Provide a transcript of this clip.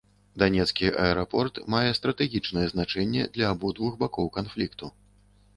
Данецкі аэрапорт мае стратэгічнае значэнне для абодвух бакоў канфлікту.